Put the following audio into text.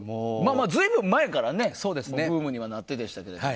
随分、前からブームにはなってましたけど。